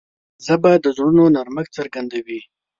ژبه د زړونو نرمښت څرګندوي